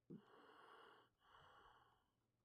你點解打人啊？